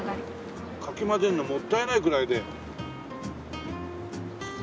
かき混ぜるのもったいないぐらいで。